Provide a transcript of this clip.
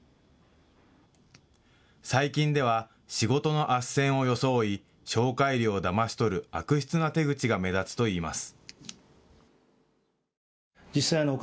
最近では仕事のあっせんを装い紹介料をだまし取る悪質な手口が目立つといいます。